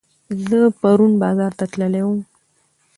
زه پرون بازار ته تللي وم